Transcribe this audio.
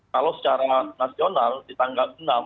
kalau secara nasional di tanggal enam